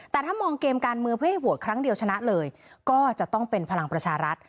แต่ถ้ามองเกมการเมืองเพื่อให้โหวตครั้งเดียวชนะเลยก็จะต้องเป็นพลังประชารัฐ